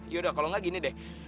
yaudah kalau nggak gini deh